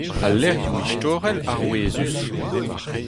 Al lec'hioù istorel arouezus.